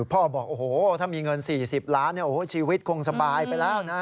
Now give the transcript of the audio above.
พ่อบอกถ้ามีเงิน๔๐ล้านโอ้โฮชีวิตคงสบายไปแล้วนะ